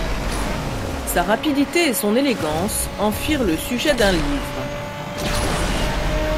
Sa rapidité et son élégance en firent le sujet d'un livre.